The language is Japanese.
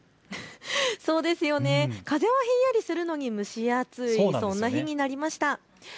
風はひんやりするのに蒸し暑い、そんな日になりました。